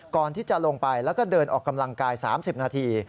ก่อนที่จะลงไปแล้วก็เดินออกกำลังกาย๓๐นาที